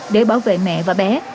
để bảo vệ mẹ và bé